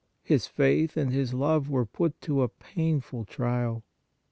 His faith and his love were put to a pain ful trial.